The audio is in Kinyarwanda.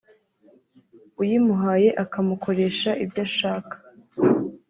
uyimuhaye akamukoresha ibyo ashaka